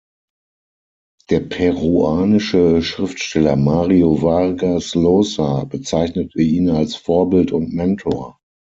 Der peruanische Schriftsteller Mario Vargas Llosa bezeichnete ihn als Vorbild und Mentor.